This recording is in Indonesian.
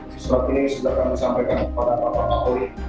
setelah ini sudah kami sampaikan kepada bapak polis